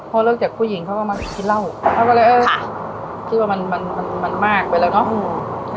พอเลิกจากผู้หญิงเขาก็มากินเหล้าเขาก็เลยเออคิดว่ามันมันมากไปแล้วเนาะ